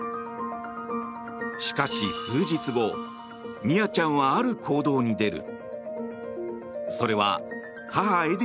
しかし、数日後ミアちゃんはある行動に出る。